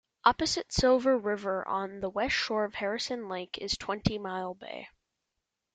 Opposite Silver River on the west shore of Harrison Lake is Twenty-Mile Bay.